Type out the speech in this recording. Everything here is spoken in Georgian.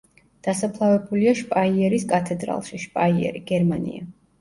დასაფლავებულია შპაიერის კათედრალში, შპაიერი, გერმანია.